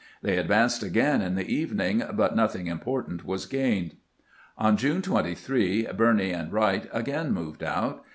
They advanced again in the evening, but nothing important was gained. On June 23, Birney and Wright again moved out.